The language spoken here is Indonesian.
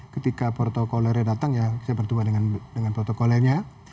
ketika protokolernya datang saya bertemu dengan protokolernya